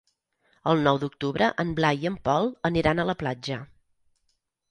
El nou d'octubre en Blai i en Pol aniran a la platja.